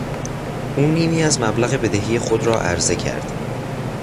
او نیمی از مبلغ بدهی خود را عرضه کرد.